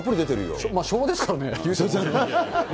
昭和ですからね。